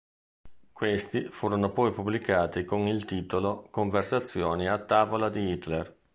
Questi furono poi pubblicati con il titolo "Conversazioni a tavola di Hitler".